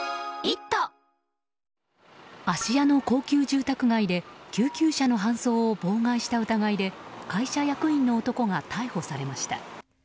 芦屋の高級住宅街で救急車の搬送を妨害した疑いで会社役員の男が逮捕されました。